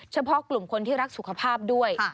เฉพาะกลุ่มคนที่รักสุขภาพด้วย